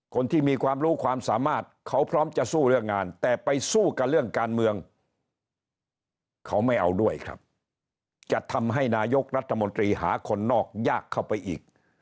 คนที่มีความรู้ความสามารถเขาพร้อมจะสู้เรื่องงานแต่ไปสู้กับเรื่องการเมืองเขาไม่เอาด้วยครับจะทำให้นายกรัฐมนตรีหาคนนอกยากเข้าไปอีก